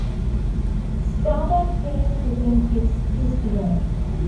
The startup failed within its first year.